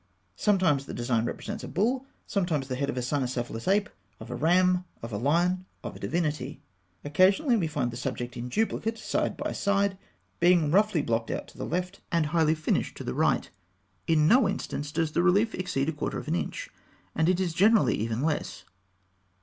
Sometimes the design represents a bull; sometimes the head of a cynocephalous ape, of a ram, of a lion, of a divinity. Occasionally, we find the subject in duplicate, side by side, being roughly blocked out to the left, and highly finished to the right. In no instance does the relief exceed a quarter of an inch, and it is generally even less.